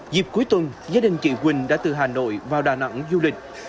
dịp cuối tuần gia đình chị quỳnh đã từ hà nội vào đà nẵng du lịch